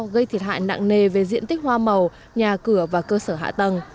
gây thiệt hại nặng nề về diện tích hoa màu nhà cửa và cơ sở hạ tầng